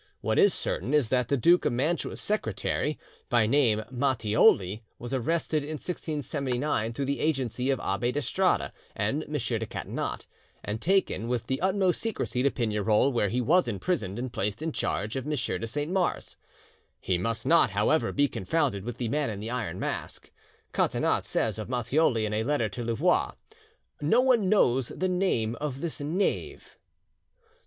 What is certain is that the Duke of Mantua's secretary, by name Matthioli, was arrested in 1679 through the agency of Abbe d'Estrade and M. de Catinat, and taken with the utmost secrecy to Pignerol, where he was imprisoned and placed in charge of M. de Saint Mars. He must not, however, be confounded with the Man in the Iron Mask. Catinat says of Matthioli in a letter to Louvois "No one knows the name of this knave."